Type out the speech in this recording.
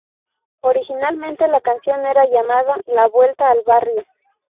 Originalmente la canción era llamada "La vuelta al barrio".